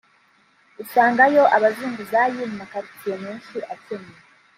usangayo abazunguzayi mu ma quartiers menshi akennye